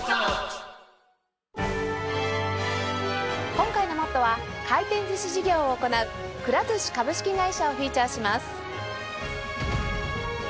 今回の『ＭＯＴＴＯ！！』は回転寿司事業を行うくら寿司株式会社をフィーチャーします。